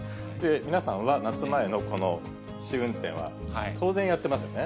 皆さんは夏前のこの試運転は、当然やってますよね。